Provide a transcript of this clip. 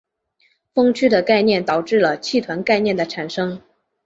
锋区的概念导致了气团概念的产生。